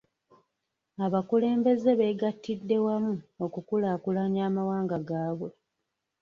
Abakulembeze beegatidde wamu okukulaakulanya amawanga gaabwe.